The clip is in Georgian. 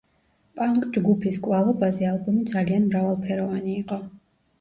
პანკ ჯგუფის კვალობაზე ალბომი ძალიან მრავალფეროვანი იყო.